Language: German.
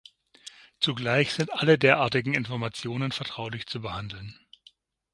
Zugleich sind alle derartigen Informationen vertraulich zu behandeln.